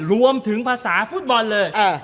รวมถึงภาษาฟุตบอลเลย